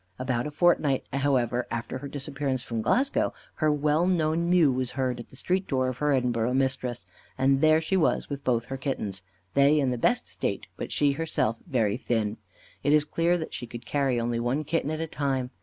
About a fortnight, however, after her disappearance from Glasgow, her well known mew was heard at the street door of her Edinburgh mistress; and there she was with both her kittens, they in the best state, but she, herself, very thin. It is clear that she could carry only one kitten at a time.